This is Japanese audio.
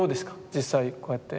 実際こうやって。